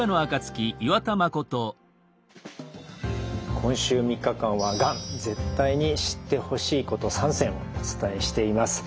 今週３日間は「がん絶対に知ってほしいこと３選」お伝えしています。